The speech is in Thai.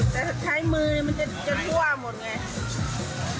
แต่ถ้าใช้มือมันจะทั่วหมดไง